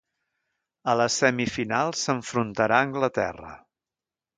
A les semifinals s'enfrontarà a Anglaterra.